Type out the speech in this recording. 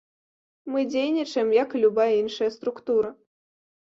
Мы дзейнічаем як і любая іншая структура.